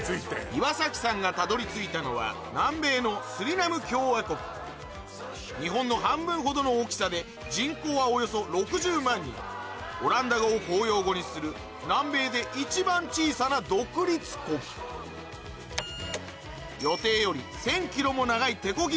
岩崎さんがたどり着いたのは南米のスリナム共和国日本の半分ほどの大きさで人口はおよそ６０万人オランダ語を公用語にする南米で一番小さな独立国予定より１０００ｋｍも長い手こぎ